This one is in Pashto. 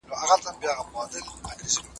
د ماشومانو ښوونه او روزنه باید وړیا وي.